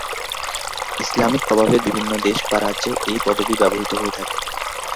Islamic প্রভাবের বিভিন্ন দেশ বা রাজ্যে এই পদবি ব্যবহৃত হয়ে থাকে।